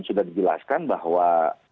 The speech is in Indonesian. sudah dijelaskan bahwa